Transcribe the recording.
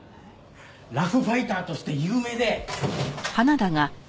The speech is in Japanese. ラフファイターとして有名でえーっと。